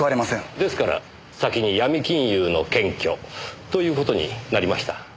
ですから先にヤミ金融の検挙という事になりました。